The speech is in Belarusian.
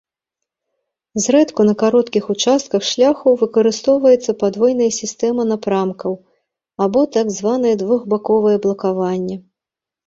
Зрэдку на кароткіх участках шляху выкарыстоўваецца падвойная сістэма напрамкаў або так званае двухбаковае блакаванне.